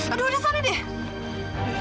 aduh udah sana dia